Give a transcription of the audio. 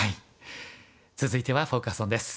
続いてはフォーカス・オンです。